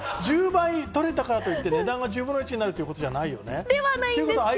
１０倍取れたからといって値段が１０分の１になるってことではないよね？